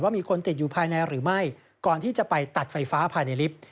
มีคนติดอยู่ภายในหรือไม่ก่อนที่จะไปตัดไฟฟ้าภายในลิฟต์